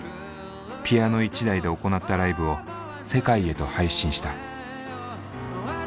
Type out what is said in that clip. ピアノ１台で行ったライブを世界へと配信した。